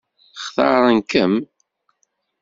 Xtaṛen-kem?